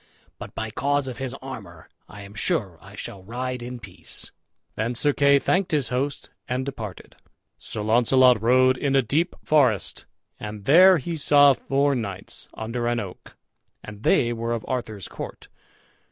But by cause of his armor I am sure I shall ride in peace." Then Sir Kay thanked his host and departed. Sir Launcelot rode in a deep forest, and there he saw four knights, under an oak, and they were of Arthur's court.